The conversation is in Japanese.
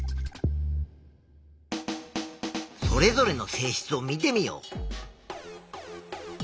それぞれの性質を見てみよう。